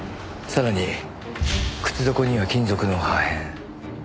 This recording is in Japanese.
さらに靴底には金属の破片。